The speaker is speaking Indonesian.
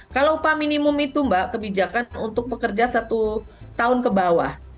kalau upah minimum itu mbak kebijakan untuk pekerja satu tahun ke bawah